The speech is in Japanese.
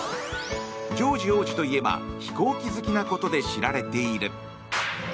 ジョージ王子といえば飛行機好きなことで知られている。